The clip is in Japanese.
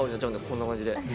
こんな感じで。